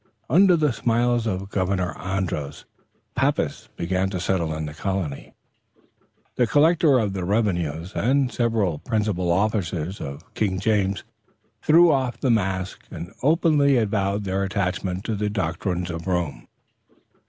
Under the smiles of Governor Andros, papists began to settle in the colony. The collector of the revenues and several principal officers of King James threw off the mask and openly avowed their attachment to the doctrines of Rome.